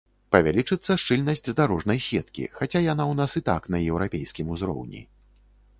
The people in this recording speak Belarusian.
Павялічыцца шчыльнасць дарожнай сеткі, хаця яна ў нас і так на еўрапейскім узроўні.